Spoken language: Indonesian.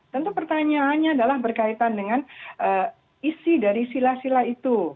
tentu pertanyaannya adalah berkaitan dengan isi dari sila sila itu